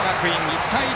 １対１！